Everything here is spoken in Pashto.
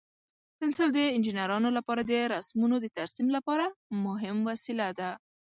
پنسل د انجینرانو لپاره د رسمونو د ترسیم لپاره مهم وسیله ده.